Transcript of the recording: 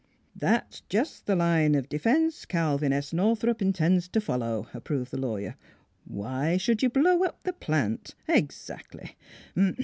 " That's just the line of defense Calvin S. Northrup intends to follow," approved the law yer. " Why should you blow up the plant? Ex actly!